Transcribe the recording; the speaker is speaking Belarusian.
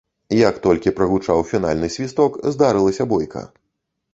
Як толькі прагучаў фінальны свісток, здарылася бойка.